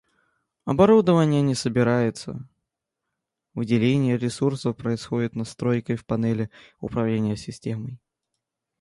Оборудование не собирается, выделение ресурсов происходит настройкой в панели управления системой